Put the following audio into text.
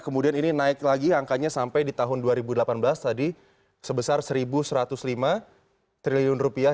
kemudian ini naik lagi angkanya sampai di tahun dua ribu delapan belas tadi sebesar satu satu ratus lima triliun rupiah